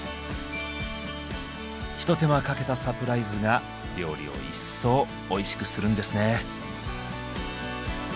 ひと手間かけたサプライズが料理を一層おいしくするんですね。